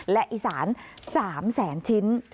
และอิสานสามแสนชิ้น